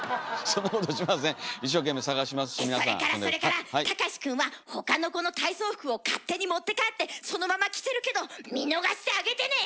それからそれから隆史くんは他の子の体操服を勝手に持って帰ってそのまま着てるけど見逃してあげてね！